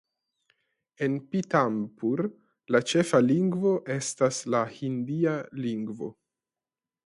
En Pithampur la ĉefa lingvo estas la hindia lingvo.